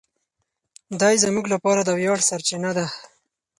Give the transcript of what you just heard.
دی زموږ لپاره د ویاړ سرچینه ده.